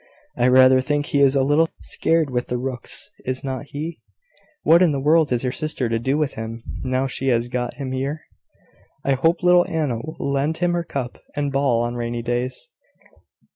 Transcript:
I rather think he is a little scared with the rooks, is not he? What in the world is your sister to do with him, now she has got him here?" "I hope little Anna will lend him her cup and ball on rainy days."